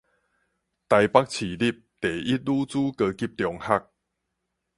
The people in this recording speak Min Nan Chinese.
臺北市立第一女子高級中學